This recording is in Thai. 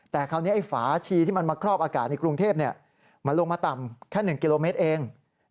แต่คราวนี้ไอ้ฝาชีที่มันมาครอบอากาศในกรุงเทพมันลงมาต่ำแค่๑กิโลเมตรเอง